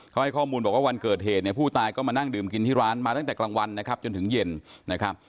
เขาให้ข้อมูลบอกว่าวันเกิดเหตุเนี่ยผู้ตายก็มานั่งดื่มกินที่ร้านมาตั้งแต่กลางวันนะครับจนถึงเย็นนะครับ